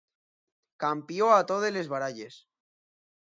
Campió a totes les baralles.